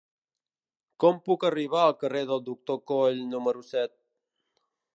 Com puc arribar al carrer del Doctor Coll número set?